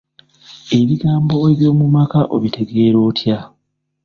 Ebigambo eby'omu maka obitegeera otya?